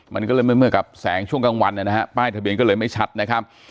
มันก็เลยเมื่อกับแสงช่วงกลางวันนะฮะป้ายทะเบียนก็เลยไม่ชัดนะครับ